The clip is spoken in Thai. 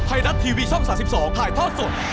ไทยรัฐทีวีช่อง๓๒ถ่ายทอดสด